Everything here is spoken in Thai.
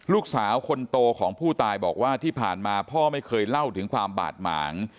ลูกสาวคนโตของผู้ตายบอกว่าที่ผ่านมาพ่อไม่เคยเล่าถึงความบาดหมาง